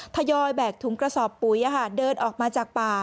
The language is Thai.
ทยอยแบกถุงกระสอบปุ๋ยเดินออกมาจากป่า